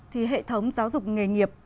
thì hệ thống giáo dục nghề nghiệp